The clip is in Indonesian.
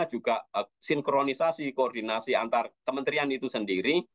juga sinkronisasi koordinasi antar kementerian itu sendiri